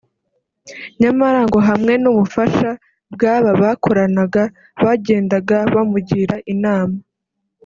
nyamara ngo hamwe n’ubufasha bw’aba bakoranaga bagendaga bamugira inama